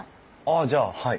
あじゃあはい。